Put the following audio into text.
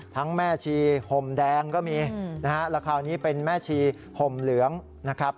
แม่ชีห่มแดงก็มีนะฮะแล้วคราวนี้เป็นแม่ชีห่มเหลืองนะครับ